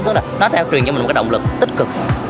tức là nó theo truyền cho mình một cái động lực tích cực